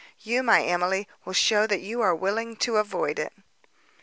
You, my Emily, will show that you are willing to avoid it."